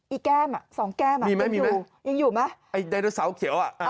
อีแก้มสองแก้มยังอยู่ไหมไอไอเดยโนซาวเขียว